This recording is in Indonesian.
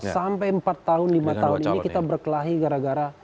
sampai empat tahun lima tahun ini kita berkelahi gara gara